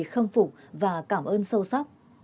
khâm phục và cảm ơn sâu sắc